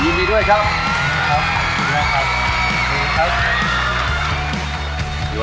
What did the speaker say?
ยินดีด้วยครับ